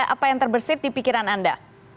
apa yang terbersih di pikiran anda